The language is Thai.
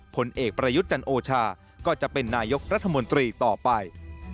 ผลเอกประยุทธ์จันโอชาก็จะเป็นนายกรัฐมนตรีต่อไป